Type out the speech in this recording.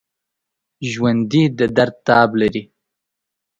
ژوندي د درد تاب لري